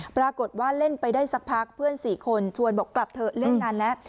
ปรากฏว่าเล่นไปได้สักพักเพื่อน๔คนชวนบอกกลับเถอะเล่นนานแล้ว